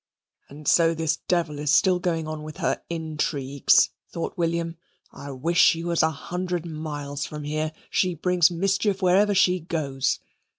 "And so this devil is still going on with her intrigues," thought William. "I wish she were a hundred miles from here. She brings mischief wherever she goes."